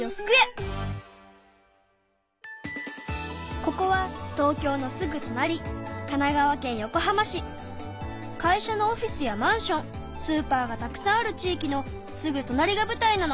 ここは東京のすぐとなり会社のオフィスやマンションスーパーがたくさんある地いきのすぐとなりがぶたいなの。